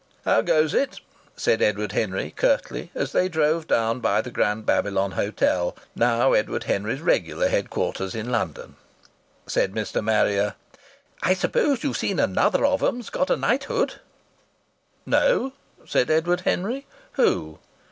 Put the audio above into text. "How goes it?" said Edward Henry, curtly, as they drove down to the Grand Babylon Hotel now Edward Henry's regular headquarters in London. Said Mr. Marrier: "I suppose you've seen another of 'em's got a knighthood?" "No," said Edward Henry. "Who?"